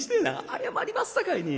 謝りますさかいに。